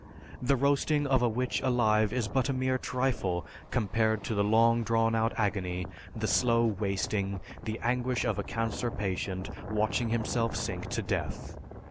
The roasting of a witch alive is but a mere trifle compared to the long drawn out agony, the slow wasting, the anguish of a cancer patient watching himself sink to death.